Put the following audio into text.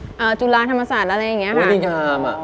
อเรนนี่จุฬาธรรมศาสตร์อะไรอย่างนี้ค่ะ